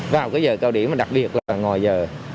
vào cái giờ cao điểm mà đặc biệt là ngoài giờ